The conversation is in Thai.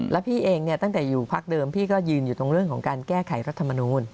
แล้วพี่เองเนี่ยตั้งแต่อยู่พักเดิมพี่ก็ยืนอยู่ตรงเรื่องของการแก้ไขรัฐมนูล